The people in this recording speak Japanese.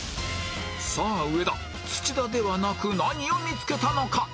さあ上田土田ではなく何を見つけたのか？